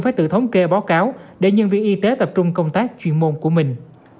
phải tự thống kê báo cáo để nhân viên y tế tập trung công tác chuyên môn của mình